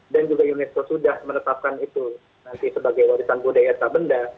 dan juga unesco sudah menetapkan itu nanti sebagai warisan budaya sabenda